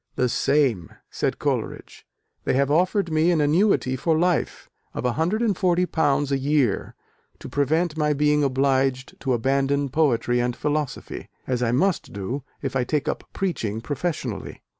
"The same," said Coleridge. "They have offered me an annuity for life, of £140 a year, to prevent my being obliged to abandon poetry and philosophy, as I must do if I take up preaching professionally."